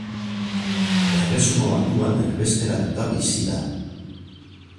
Erresuma Batuan erbesteratuta bizi da.